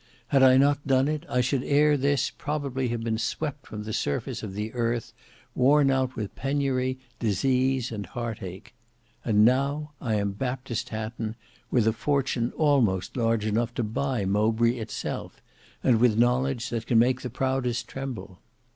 Had I not done it, I should ere this probably have been swept from the surface of the earth, worn out with penury, disease, and heart ache. And now I am Baptist Hatton with a fortune almost large enough to buy Mowbray itself, and with knowledge that can make the proudest tremble.